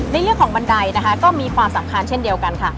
ในเรื่องของบันไดนะคะก็มีความสำคัญเช่นเดียวกันค่ะ